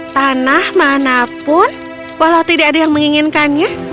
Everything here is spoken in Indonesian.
tanah manapun walau tidak ada yang menginginkannya